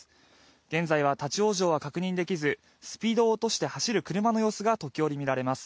現在は立ち往生は確認できずスピードを落として走る車が時折見られます。